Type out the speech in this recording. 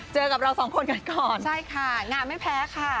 เจอกับเราสองคนกันก่อนใช่ค่ะงามไม่แพ้ค่ะ